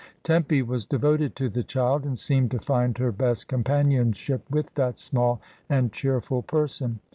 Tempy was devoted to the child, and seemed to find her best companionship with that small and cheerful person.